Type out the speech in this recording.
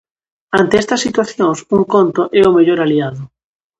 Ante estas situacións, un conto é o mellor aliado.